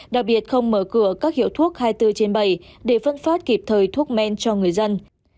đặc biệt không mở cửa các hiệu thuốc hai mươi bốn trên bảy để phân phát kịp thời thuốc men cho người dân